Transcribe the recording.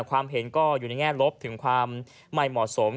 ความเห็นก็อยู่ในแง่ลบถึงความไม่เหมาะสม